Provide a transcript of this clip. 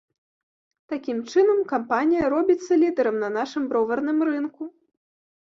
Такім чынам, кампанія робіцца лідарам на нашым броварным рынку.